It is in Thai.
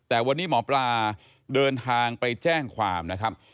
แต่วันนี้หมอปลาเดินทางไปแจ้งความนะครับ